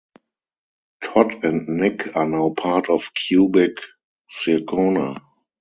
Todd and Nick are now part of Cubic Zirconia.